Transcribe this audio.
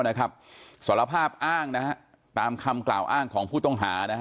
สารภาพอ้างนะฮะตามคำกล่าวอ้างของผู้ต้องหานะฮะ